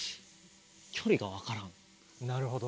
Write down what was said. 距離が分からん。